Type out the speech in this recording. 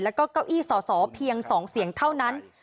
แล้วก็เก้าอี้สอสอเพียง๒เสียงเท่านั้น